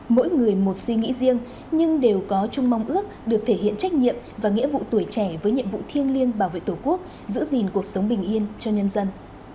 mỗi người một suy nghĩ riêng nhưng đều có chung mong ước được thể hiện trách nhiệm và nghĩa vụ tuổi trẻ với nhiệm vụ thiêng liêng bảo vệ tổ quốc giữ gìn cuộc sống bình yên cho nhân dân